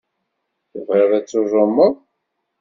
Tebɣiḍ ad tuẓumeḍ?